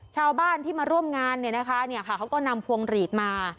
ชาวบ้านที่มาร่วมงานเนี่ยนะคะเขาก็นำพวงหลีดมา